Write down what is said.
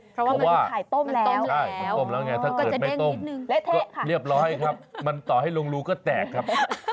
เพราะว่ามันถึงขายต้มแล้วอ๋อเร็บร้อยครับมันต่อให้ลงรูก็แตกครับ